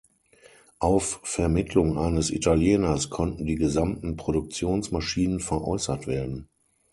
Auf Vermittlung eines Italieners konnten die gesamten Produktionsmaschinen veräußert werden.